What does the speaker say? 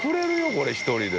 これ１人で。